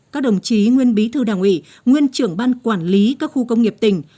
các đồng chí nguyên bí thư đảng ủy nguyên trưởng ban quản lý các khu công nghiệp tỉnh